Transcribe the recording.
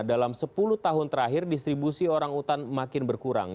dalam sepuluh tahun terakhir distribusi orangutan makin berkurang